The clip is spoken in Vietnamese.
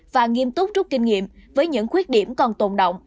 và nghiêm túc rút kinh nghiệm với những khuyết điểm còn tồn động